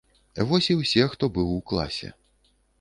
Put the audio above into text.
Вось і ўсе, хто быў у класе.